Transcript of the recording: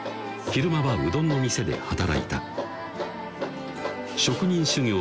昼間はうどんの店で働いた職人修業